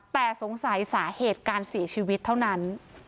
แต่สงสัยสาเหตุการเสียชีวิตเท่านั้น